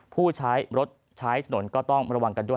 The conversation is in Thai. ผู้ใช้รถใช้ถนนก็ต้องระวังกันด้วย